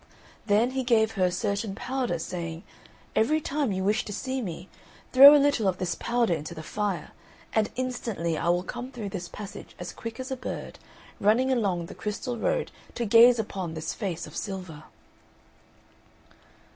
Then he gave her a certain powder saying, "Every time you wish to see me throw a little of this powder into the fire, and instantly I will come through this passage as quick as a bird, running along the crystal road to gaze upon this face of silver."